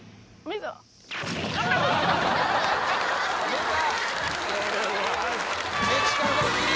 出た！